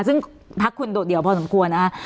ซึ่งพักคุณโดดเดี่ยวพอสมควรนะคะ